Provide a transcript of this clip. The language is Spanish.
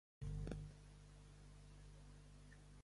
El verdadero nombre de Slipknot es Christopher Weiss.